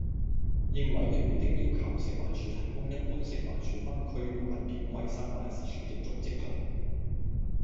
應委員會的要求，食環署提供一般食環署分區環境衞生辦事處的組織圖